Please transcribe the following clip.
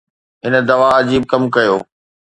هن دوا عجيب ڪم ڪيو